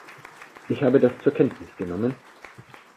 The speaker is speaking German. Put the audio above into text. Ich habe das zur Kenntnis genommen.